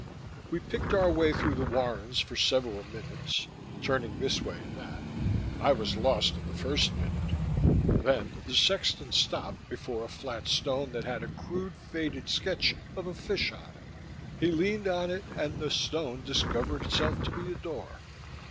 We picked our way through the warrens for several minutes, turning this way and that. I was lost in the first minute. Then the sexton stopped before a flat stone that had a crude, faded sketch of a fish on it; he leaned on it, and the stone discovered itself to be a door.